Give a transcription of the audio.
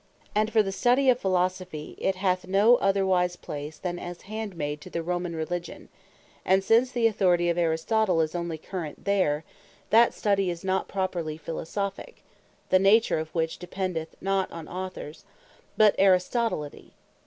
And for the study of Philosophy it hath no otherwise place, then as a handmaid to the Romane Religion: And since the Authority of Aristotle is onely current there, that study is not properly Philosophy, (the nature whereof dependeth not on Authors,) but Aristotelity.